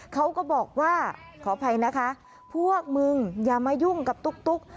เขาก็บอกว่าขออภัยนะคะพวกมึงอย่ามายุ่งกับตุ๊ก